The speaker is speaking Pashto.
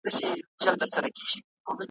بس یو تروم یې وو په غاړه ځړولی ,